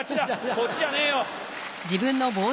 こっちじゃねえよ！